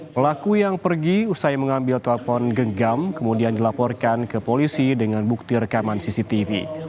pelaku yang pergi usai mengambil telepon genggam kemudian dilaporkan ke polisi dengan bukti rekaman cctv